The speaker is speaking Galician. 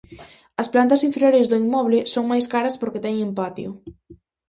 As plantas inferiores do inmoble son máis caras porque teñen patio.